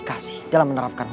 masih orang wristun